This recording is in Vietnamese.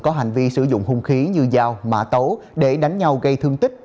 có hành vi sử dụng hung khí như dao mã tấu để đánh nhau gây thương tích